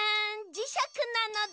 じしゃくなのだ。